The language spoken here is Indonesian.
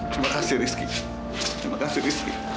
terima kasih rizky terima kasih rizky